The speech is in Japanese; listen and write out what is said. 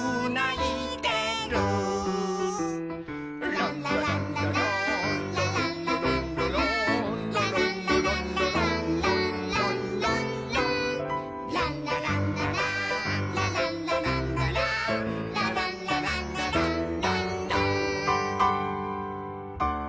「ランラランラランラランラランラランラ」「ランラランラランランランランラン」「ランラランラランラランラランラランラ」「ランラランラランランラン」